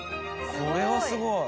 これはすごい。